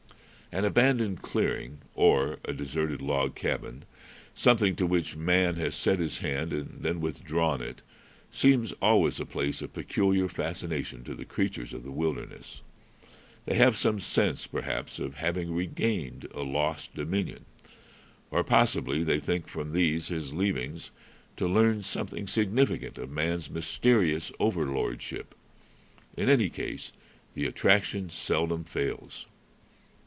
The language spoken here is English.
An abandoned clearing or a deserted log cabin, something to which man has set his hand and then withdrawn it, seems always a place of peculiar fascination to the creatures of the wilderness. They have some sense, perhaps, of having regained a lost dominion. Or possibly they think, from these his leavings, to learn something significant of man's mysterious over lordship. In any case, the attraction seldom fails.